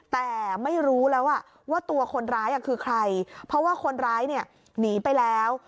แต่ไม่รู้แล้วว่าตัวคนร้ายคือใครเพราะว่าคนร้ายเนี่ยหนีไปแล้ว